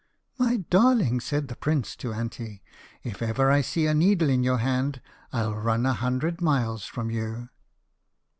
"My darling," said the prince to Anty, "if ever I see a needle in your hand, I'll run a hundred miles from you."